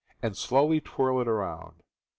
and slowly twirl it around.